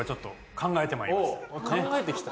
考えてまいりました。